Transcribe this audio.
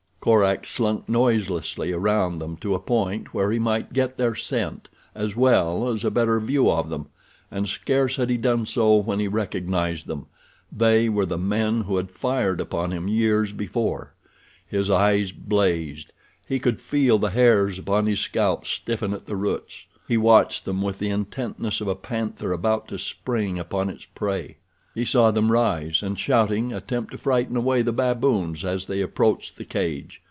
Korak slunk noiselessly around them to a point where he might get their scent as well as a better view of them, and scarce had he done so when he recognized them—they were the men who had fired upon him years before. His eyes blazed. He could feel the hairs upon his scalp stiffen at the roots. He watched them with the intentness of a panther about to spring upon its prey. He saw them rise and, shouting, attempt to frighten away the baboons as they approached the cage.